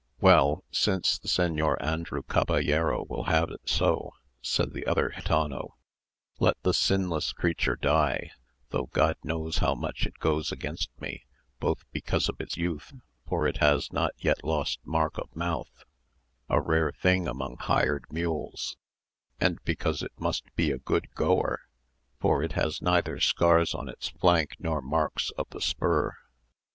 "Well, since the Señor Andrew Caballero will have it so," said the other gitano, "let the sinless creature die, though God knows how much it goes against me, both because of its youth, for it has not yet lost mark of mouth, a rare thing among hired mules, and because it must be a good goer, for it has neither scars on its flank nor marks of the spur."